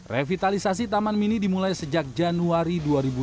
revitalisasi taman mini dimulai sejak januari dua ribu dua puluh